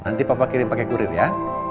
nanti papa kirim kirim ya